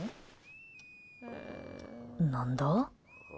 何だ？